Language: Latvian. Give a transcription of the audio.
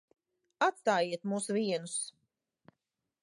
Atstājiet mūs vienus.